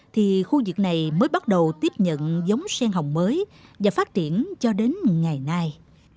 thì khu vực này mới bắt đầu tiếp nhận giống sen hồng mới và phát triển cho đến ngày nay